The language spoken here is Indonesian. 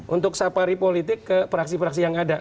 untuk safari politik ke peraksi peraksi yang ada